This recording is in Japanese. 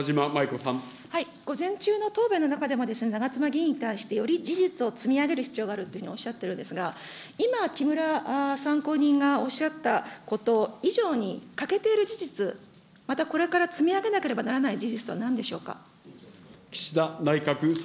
午前中の答弁の中でも、長妻議員に対して、より事実を積み上げる必要があるというふうにおっしゃってるんですが、今、木村参考人がおっしゃったこと以上に欠けている事実、またこれから積み上げなければならない事実とはなんでしょうか。